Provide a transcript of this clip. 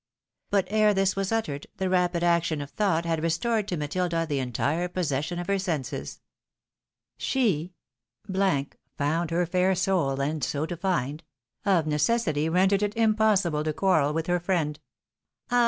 " But ere this was uttered, the rapid action of thought had restored to Matilda the entire possession of her senses. She found her fair soul, And so to find, of necessity rendered it impossible to quarrel with her friend. " Ah